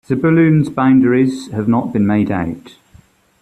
Zebulun's boundaries have not been made out.